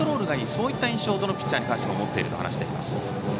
そういった印象をどのピッチャーに関しても持っていると話しています。